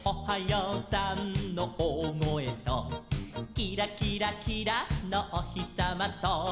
「キラキラキラのおひさまと」